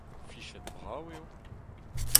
Fichet-brav eo !